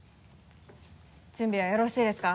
準備はよろしいですか？